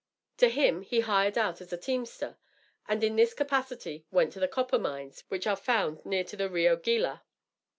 To him he hired out as a teamster, and in this capacity went to the copper mines which are found near to the Rio Gila.